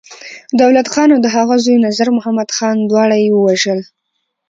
دولت خان او د هغه زوی نظرمحمد خان، دواړه يې ووژل.